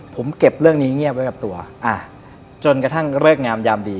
ผมเก็บเรื่องนี้เงียบไว้กับตัวจนกระทั่งเลิกงามยามดี